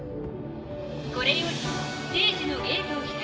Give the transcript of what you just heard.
これよりステージのゲートを開きます。